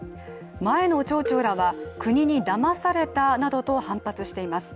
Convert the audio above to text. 前の町長らは国だまされたなどと反発しています。